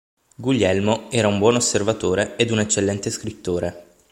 Guglielmo era un buon osservatore ed un eccellente scrittore.